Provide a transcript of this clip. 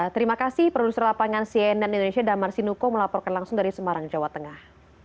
terima kasih produser lapangan cnn indonesia damar sinuko melaporkan langsung dari semarang jawa tengah